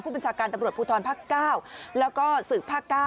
ผู้บัญชาการตำรวจภูทรภ๙แล้วก็ศึกภ๙